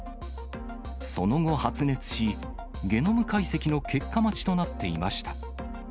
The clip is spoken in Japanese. その後、発熱し、ゲノム解析の結果待ちとなっていました。